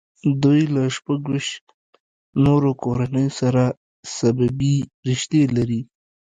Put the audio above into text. دوی له شپږ ویشت نورو کورنیو سره سببي رشتې لري.